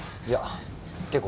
いや。